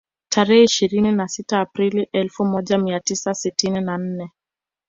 Tarehe ishirini na sita Aprili elfu moja mia tisa sitini na nne